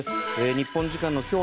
日本時間の今日